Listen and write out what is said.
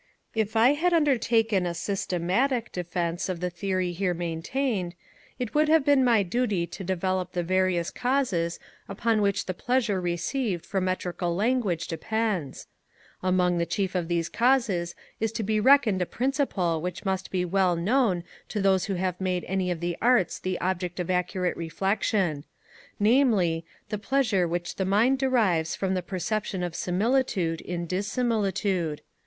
If I had undertaken a SYSTEMATIC defence of the theory here maintained, it would have been my duty to develop the various causes upon which the pleasure received from metrical language depends. Among the chief of these causes is to be reckoned a principle which must be well known to those who have made any of the Arts the object of accurate reflection; namely, the pleasure which the mind derives from the perception of similitude in dissimilitude.